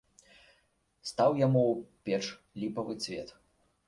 Стаў яму ў печ ліпавы цвет.